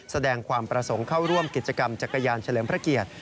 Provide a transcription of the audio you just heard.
แสดงความประสงค์เข้าร่วมกิจกรรมจักรยานเฉลิมพระเกียรติ